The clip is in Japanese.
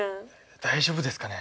大丈夫ですかね？